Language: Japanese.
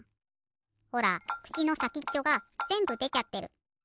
ほらくしのさきっちょがぜんぶでちゃってる。